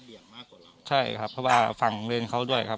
มากกว่าเราใช่ครับเพราะว่าฝั่งเลนเขาด้วยครับ